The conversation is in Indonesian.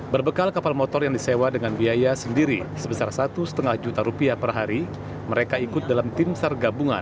berbekal kapal motor yang disewa dengan biaya sendiri sebesar satu lima juta rupiah per hari mereka ikut dalam tim sar gabungan